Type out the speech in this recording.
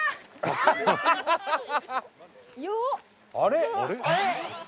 あれ？